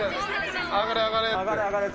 上がれ上がれって。